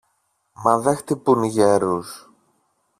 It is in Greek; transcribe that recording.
μα δε χτυπούν γέρους!